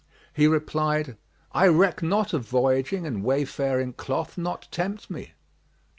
He replied, "I reck not of voyaging and wayfaring cloth not tempt me."